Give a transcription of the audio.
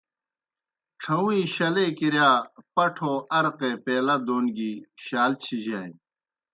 ڇَھہُوئِیں شالے کِرِیا پٹھوعرقے پیلہ دون گیْ شال چِھجانیْ۔